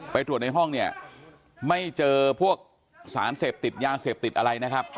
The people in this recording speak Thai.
ไปตรวจในห้องเนี่ยไม่เจอพวกสารเสพติดยาเสพติดอะไรนะครับ